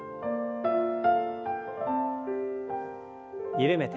緩めて。